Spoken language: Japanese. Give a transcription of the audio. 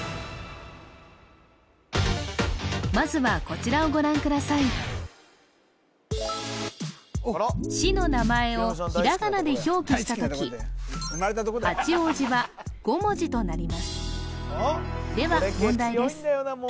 まずは市の名前をひらがなで表記した時八王子は５文字となりますでは問題です